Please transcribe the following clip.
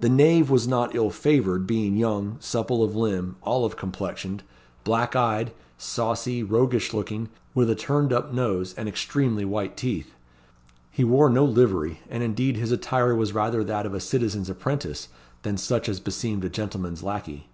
The knave was not ill favoured; being young, supple of limb, olive complexioned, black eyed, saucy, roguish looking, with a turned up nose, and extremely white teeth. He wore no livery, and indeed his attire was rather that of a citizen's apprentice than such as beseemed a gentleman's lacquey.